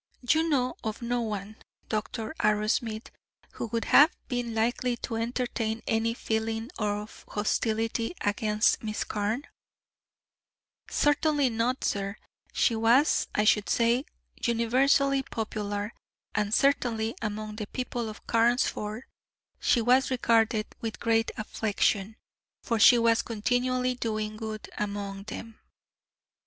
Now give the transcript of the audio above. "You know of no one, Dr. Arrowsmith, who would have been likely to entertain any feeling of hostility against Miss Carne?" "Certainly not, sir. She was, I should say, universally popular, and certainly among the people of Carnesford she was regarded with great affection, for she was continually doing good among them."